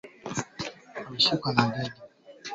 Tanguliza mafuta ya kupikia kwenye sufuria